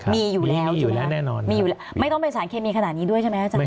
มีอยู่แล้วจริงครับมีอยู่แล้วไม่ต้องเป็นสารเคมีขนาดนี้ด้วยใช่ไหมอาจารย์